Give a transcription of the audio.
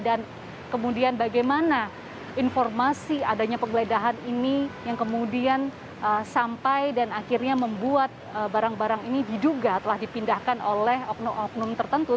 dan kemudian bagaimana informasi adanya penggeledahan ini yang kemudian sampai dan akhirnya membuat barang barang ini diduga telah dipindahkan oleh oknum oknum tertentu